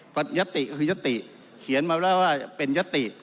เพราะยัตติคือยัตติเขียนมาแล้วว่าเป็นยัตติ